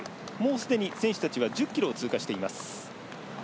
すでに選手たちは１０ｋｍを通過しています。